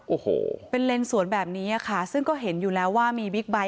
โอ้โหเป็นเลนสวนแบบนี้ค่ะซึ่งก็เห็นอยู่แล้วว่ามีบิ๊กไบท์